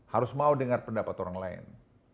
harus mau dengar pendapat orang lain